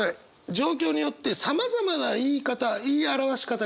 状況によってさまざまな言い方言い表し方があります。